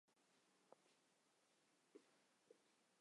曾就读日本播音演技研究所。